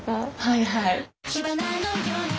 はいはい。